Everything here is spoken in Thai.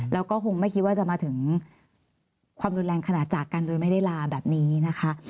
แล้วก็คงไม่คิดว่าจะมาถึงความรุนแรงขนาดจากกันโดยไม่ได้ลาแบบนี้นะคะ